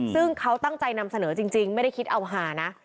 ซึ่งเขาตั้งใจนำเสนอจริงไม่ได้คิดเอาหานะ